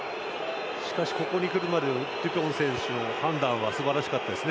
しかしここに来るまでのデュポン選手の判断はすばらしかったですね。